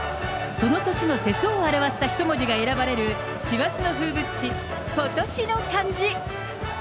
その年の世相を表した一文字が選ばれる、師走の風物詩、今年の漢字。